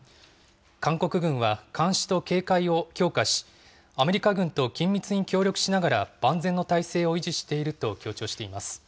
韓国軍は監視と警戒を強化し、アメリカ軍と緊密に協力しながら万全の体制を維持していると強調しています。